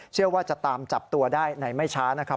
เชื่อว่าจะตามจับตัวได้ในไม่ช้านะครับ